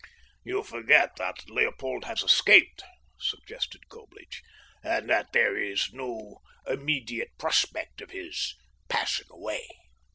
"You forget that Leopold has escaped," suggested Coblich, "and that there is no immediate prospect of his passing away."